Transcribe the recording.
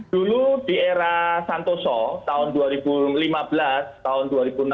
dulu di era santoso tahun dua ribu lima belas tahun dua ribu enam belas